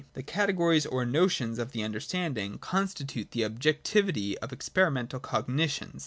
The Categories or Notions of the Understanding con ' stitute the objectivity of experiential cognitions.